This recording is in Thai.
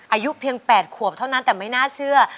อายุเพียง๘ขวบเท่านั้นแต่ไม่น่าเชื่อ